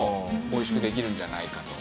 美味しくできるんじゃないかと。